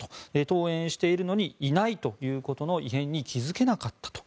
登園しているのにいないということの異変に気付けなかったと。